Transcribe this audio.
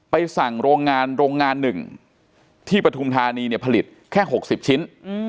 สั่งโรงงานโรงงาน๑ที่ปฐุมธานีเนี่ยผลิตแค่๖๐ชิ้น